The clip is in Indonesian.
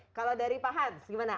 kalau dari pak hans gimana